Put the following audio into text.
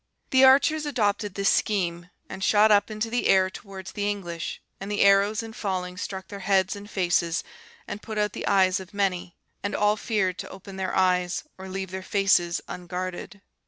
The archers adopted this scheme, and shot up into the air towards the English; and the arrows in falling struck their heads and faces, and put out the eyes of many; and all feared to open their eyes, or leave their faces unguarded.